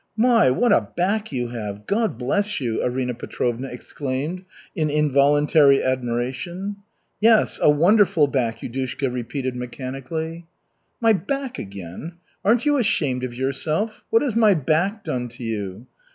"My, what a back you have! God bless you!" Arina Petrovna exclaimed, in involuntary admiration. "Yes, a wonderful back," Yudushka repeated mechanically. "My back again! Aren't you ashamed of yourself? What has my back done to you?"